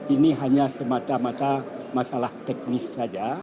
ini hanya semata mata masalah teknis saja